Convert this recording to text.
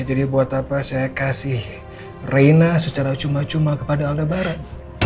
jadi buat apa saya kasih reina secara cuma cuma kepada aldebaran